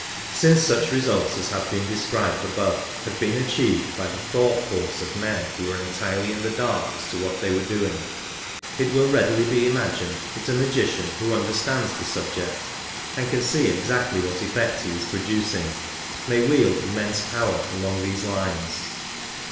Since such results as have been described above have been achieved by the thought force of men who were entirely in the dark as to what they were doing, it will readily be imagined that a magician who understands the subject, and can see exactly what effect he is producing, may wield immense power along these lines.